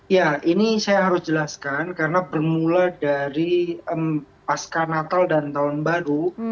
ya ini saya harus jelaskan karena bermula dari pasca natal dan tahun baru